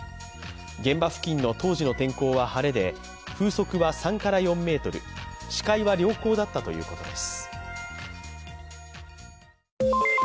現場付近の当時の天候は晴れで風速は３４メートル視界は良好だったということです。